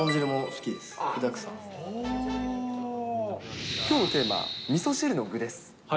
きょうのテーマ、みそ汁の具です。